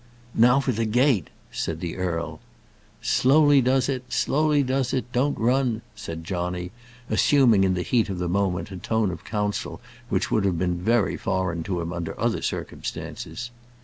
"Now for the gate," said the earl. "Slowly does it; slowly does it; don't run!" said Johnny, assuming in the heat of the moment a tone of counsel which would have been very foreign to him under other circumstances.